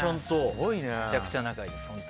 めちゃくちゃ仲良いです。